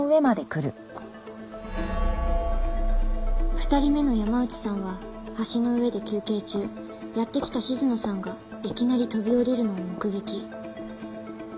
２人目の山内さんは橋の上で休憩中やって来た静野さんがいきなり飛び降りるのを目撃。